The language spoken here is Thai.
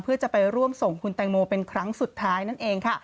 เพื่อจะไปร่วมส่งคุณแตงโมเป็นครั้งสุดท้ายนั่นเองค่ะ